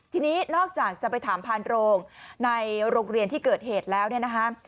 ทีนี้นอกจากจะไปถามพานโรงในโรงเรียนที่เกิดเหตุแล้วเนี่ยนะคะ